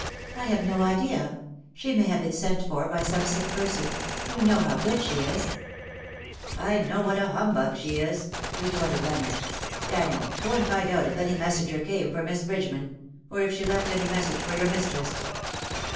"I have no idea. She may have been sent for by some sick person. You know how good she is/^ " I know what a humbug she is/^ retorted Leonard. '' Daniel, go and find out if any messenger came for Miss Bridgeman — or if she left any message for your mistress.